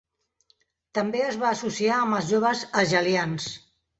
També es va associar amb els Joves Hegelians.